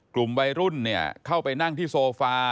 กลุ่มวัยรุ่นเข้าไปนั่งที่โซฟา